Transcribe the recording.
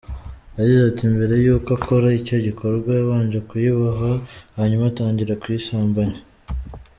Yagize ati “Mbere y’uko akora icyo gikorwa yabanje kuyiboha hanyuma atangira kuyisambanya.